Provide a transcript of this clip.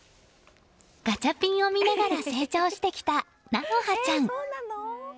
ガチャピンを見ながら成長してきた菜乃葉ちゃん。